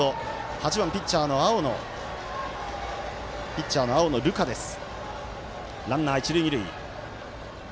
８番ピッチャーの青野流果です。